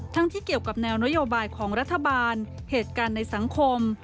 ที่เกี่ยวกับแนวนโยบายของรัฐบาลเหตุการณ์ในสังคม